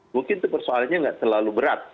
mungkin itu persoalannya nggak terlalu berat